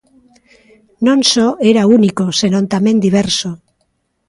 Non só era único senón tamén diverso.